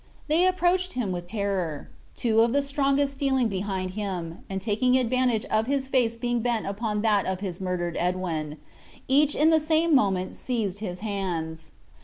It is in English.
They approached him with terror; two of the strongest stealing behind him, and taking advantage of his face being bent upon that of his murdered Edwin, each in the same moment seized his hands.